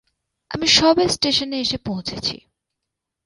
আমি সবে স্টেশনে এসে পৌছেছি।